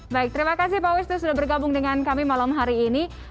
baik terima kasih pak wisnu sudah bergabung dengan kami malam hari ini